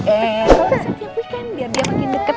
setiap weekend biar dia makin deket ya